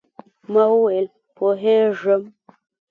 ما وویل، پوهېږم.